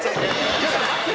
ちょっと待って。